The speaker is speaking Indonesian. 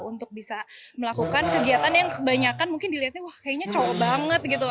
untuk bisa melakukan kegiatan yang kebanyakan mungkin dilihatnya wah kayaknya cowok banget gitu